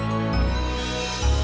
aku udah jauh bildung